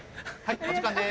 お時間です。